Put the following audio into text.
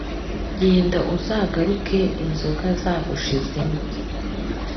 Genda uzagaruke inzoga zagushizemo